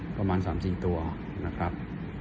ประมาณ๓๔ตัวนะครับ